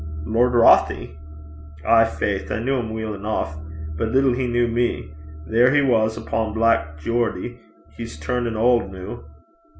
'Lord Rothie?' 'Ay, faith. I kent him weel eneuch, but little he kent me. There he was upo' Black Geordie. He's turnin' auld noo.'